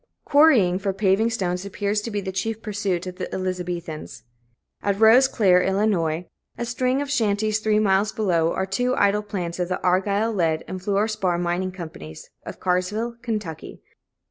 Quarrying for paving stones appears to be the chief pursuit of the Elizabethans. At Rose Clare, Ill., a string of shanties three miles below, are two idle plants of the Argyle Lead and Fluor Spar Mining Co. Carrsville, Ky.